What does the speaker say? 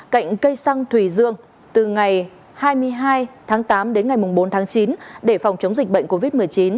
cạnh cây xăng thùy dương từ ngày hai mươi hai tháng tám đến ngày bốn tháng chín để phòng chống dịch bệnh covid một mươi chín